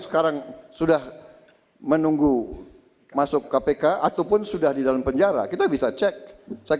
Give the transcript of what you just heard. sekarang sudah menunggu masuk kpk ataupun sudah di dalam penjara kita bisa cek cek